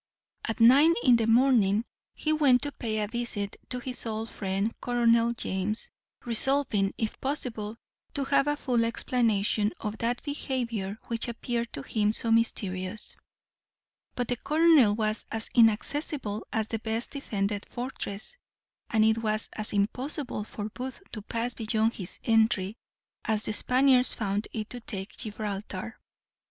At nine in the morning he went to pay a visit to his old friend Colonel James, resolving, if possible, to have a full explanation of that behaviour which appeared to him so mysterious: but the colonel was as inaccessible as the best defended fortress; and it was as impossible for Booth to pass beyond his entry as the Spaniards found it to take Gibraltar.